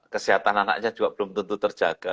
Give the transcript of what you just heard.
kesehatan anaknya juga belum tentu terjaga